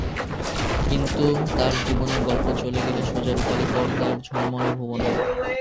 কিন্তু তাঁর জীবনের গল্প চলে গেল সোজা রুপালি পর্দার ঝলমলে ভুবনে।